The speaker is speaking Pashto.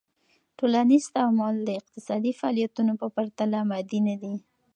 ټولنیز تعامل د اقتصادی فعالیتونو په پرتله مادي ندي.